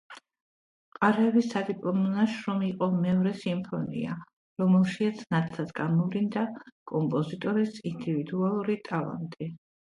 ყარაევის სადიპლომო ნაშრომი იყო მეორე სიმფონია, რომელშიაც ნათლად გამოვლინდა კომპოზიტორის ინდივიდუალური ტალანტი.